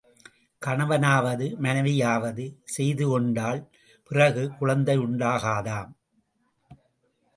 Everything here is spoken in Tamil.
கணவனாவது மனைவியாவது செய்துகொண்டால் பிறகு குழந்தை உண்டாகாதாம்.